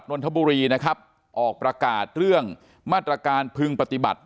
นนทบุรีนะครับออกประกาศเรื่องมาตรการพึงปฏิบัติ